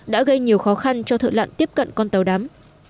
đã gây nhiều khó khăn cho thợ lặn tiếp cận con tàu đắm